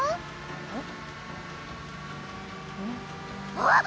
あっ！